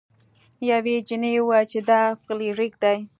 یوې جینۍ وویل چې دا فلیریک دی.